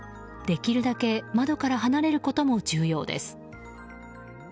できるだけ窓から離れることも重要です。